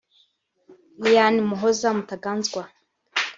Liane Muhoza Mutaganzwa